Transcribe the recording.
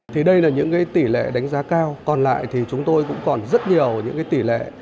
thì đây là những tỷ lệ đánh giá cao còn lại thì chúng tôi cũng còn rất nhiều những cái tỷ lệ